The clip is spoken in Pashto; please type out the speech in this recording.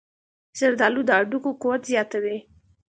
زردآلو د هډوکو قوت زیاتوي.